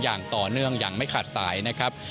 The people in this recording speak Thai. อย่างต่อเนื่องอย่างไม่ขาดสายนะครับ